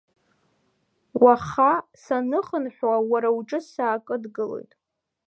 Уаха саныхынҳәуа уара уҿы саакыдгылоит.